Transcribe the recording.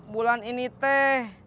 bulan ini teh